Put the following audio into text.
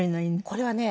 これはね